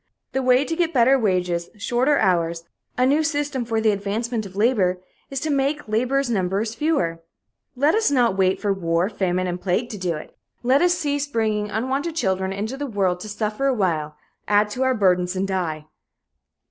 The way to get better wages, shorter hours, a new system for the advancement of labor, is to make labor's numbers fewer. Let us not wait for war, famine and plague to do it. Let us cease bringing unwanted children into the world to suffer a while, add to our burdens and die.